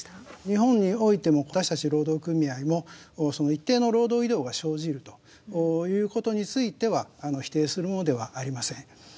日本においても私たち労働組合もその一定の労働移動が生じるということについては否定するものではありません。